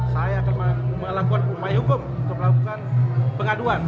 saya akan melakukan upaya hukum untuk melakukan pengaduan